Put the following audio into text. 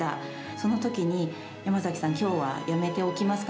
そのときに、山崎さん、きょうはやめておきますか？